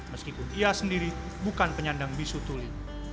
meskipun ia sendiri bukan penyandang bisu tuli